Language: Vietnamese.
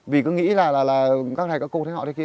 vì cứ nghĩ là các này các cô thấy họ thế kia